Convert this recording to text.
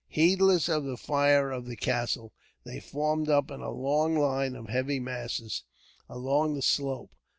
Heedless of the fire of the castle, they formed up in a long line of heavy masses, along the slope.